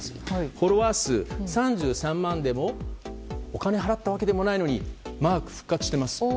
フォロワー数３３万でもお金払ったわけじゃないのにマーク復活しています。